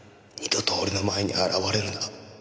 二度と俺の前に現れるな。